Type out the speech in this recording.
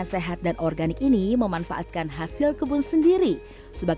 ini adalah kedai makanan makanan khusus terkandung di big